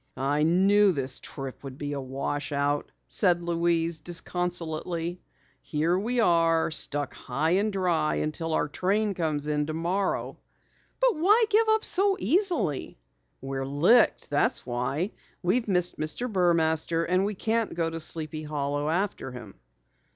"I knew this trip would be a wash out," said Louise disconsolately. "Here we are, stuck high and dry until our train comes in tomorrow." "But why give up so easily?" "We're licked, that's why. We've missed Mr. Burmaster and we can't go to Sleepy Hollow after him."